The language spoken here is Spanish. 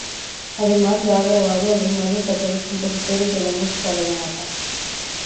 Además la ha grabado a los más destacados compositores de la música vallenata.